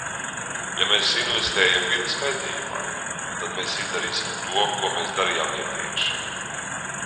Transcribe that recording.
Ja mēs investējam vides kaitējumā, tad mēs izdarīsim to, ko mēs darījām iepriekš.